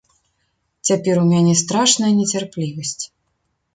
Цяпер у мяне страшная нецярплівасць.